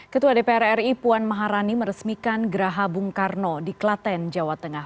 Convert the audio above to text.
ketua dpr ri puan maharani meresmikan geraha bung karno di klaten jawa tengah